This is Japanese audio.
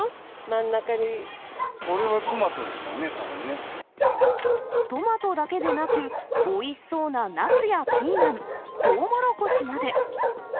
これはトマトですかね、トマトだけでなく、おいしそうなナスやピーマン、トウモロコシまで。